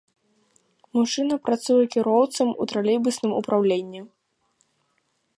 Мужчына працуе кіроўцам у тралейбусным упраўленні.